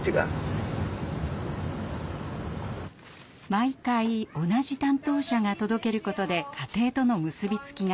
毎回同じ担当者が届けることで家庭との結び付きが強まります。